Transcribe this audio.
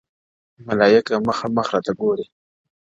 ملايکه مخامخ راته راگوري;